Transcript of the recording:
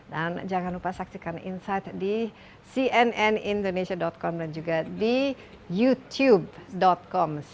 dan jangan lupa saksikan insight di cnnindonesia com dan juga di youtube com